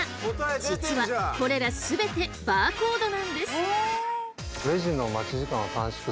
実はこれら全てバーコードなんです。